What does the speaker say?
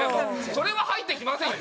それは入ってきませんよ